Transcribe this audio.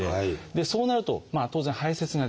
そうなると当然排せつができなくなる。